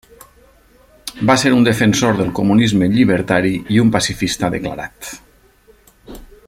Va ser un defensor del comunisme llibertari i un pacifista declarat.